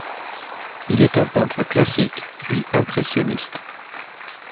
Il est un peintre classique puis impressionniste.